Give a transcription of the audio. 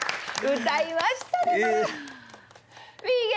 歌いましたねこれ！